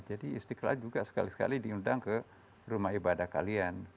jadi istiqlal juga sekali sekali diundang ke rumah ibadah kalian